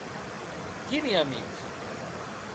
Quini amics?